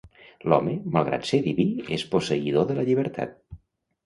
L'Home, malgrat ser diví, és posseïdor de la llibertat.